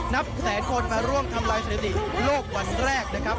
นับแสนคนมาร่วมทำลายสถิติโลกวันแรกนะครับ